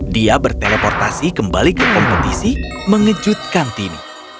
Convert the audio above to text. dia berteleportasi kembali ke kompetisi mengejutkan tini